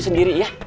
aku sendiri ya